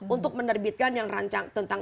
untuk menerbitkan yang rancang